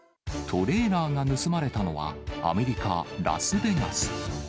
トレーラーが盗まれたのは、アメリカ・ラスベガス。